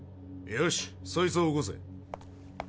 よしそいつを起こせ。